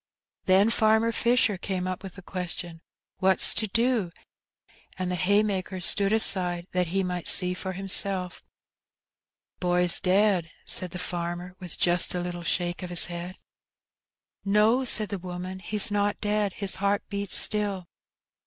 Then Farmer Fisher came up with the question, "What's to do?" and the haymakers stood aside, that he might see for himself. " The boy^s dea^" said the farmer, with just a little shake in his voice. "No," said the woman, "he's not dead, his heart beats still."